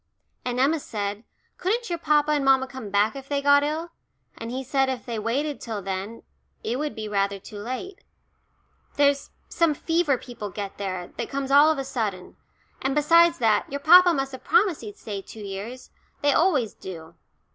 And Emma said, couldn't your papa and mamma come back if they got ill, and he said if they waited till then it would be rather too late. There's some fever people get there, that comes all of a sudden. And besides that, your papa must have promised he'd stay two years they always do."